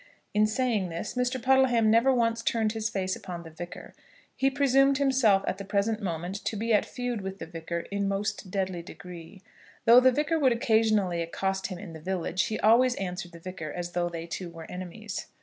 In saying this Mr. Puddleham never once turned his face upon the Vicar. He presumed himself at the present moment to be at feud with the Vicar in most deadly degree. Though the Vicar would occasionally accost him in the village, he always answered the Vicar as though they two were enemies.